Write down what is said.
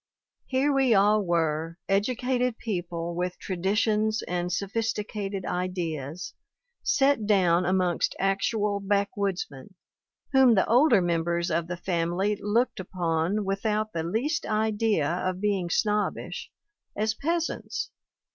Here we all were, educated people with traditions and sophisticated ideas, set down amongst actual backwoodsmen, whom the older mem bers of the family looked upon, without the least idea of being snobbish, as peasants.